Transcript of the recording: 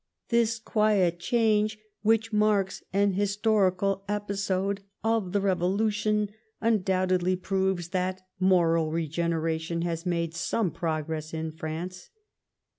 This quiet change, which marks an historical episode of the Kevolution, undoubtedly proves that moral regeneration has made some progress in France."